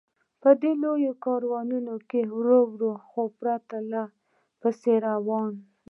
په دې لوی کاروان کې ورو ورو، خو پرله پسې روان و.